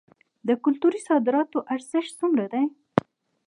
د کلتوري صادراتو ارزښت څومره دی؟